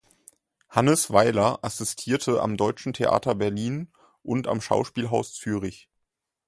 Hannes Weiler assistierte am Deutschen Theater Berlin und am Schauspielhaus Zürich.